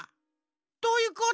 どういうこと？